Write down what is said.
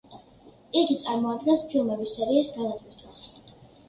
იგი წარმოადგენს ფილმების სერიის გადატვირთვას.